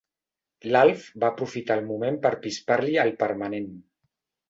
L'Alf va aprofitar el moment per pispar-li el permanent.